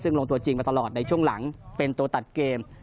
ซึ่งลงตัวจริงมาตลอดในช่วงหลังเป็นตัวตัดเกม